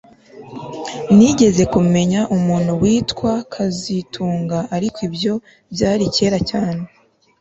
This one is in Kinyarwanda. Nigeze kumenya umuntu witwa kazitunga ariko ibyo byari kera cyane